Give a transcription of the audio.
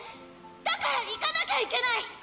だから行かなきゃいけない！